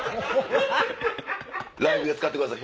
ライブで使ってください